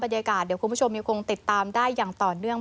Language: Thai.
บรรยากาศเดี๋ยวคุณผู้ชมยังคงติดตามได้อย่างต่อเนื่อง